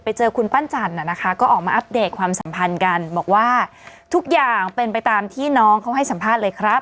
ไปเจอคุณปั้นจันทร์นะคะก็ออกมาอัปเดตความสัมพันธ์กันบอกว่าทุกอย่างเป็นไปตามที่น้องเขาให้สัมภาษณ์เลยครับ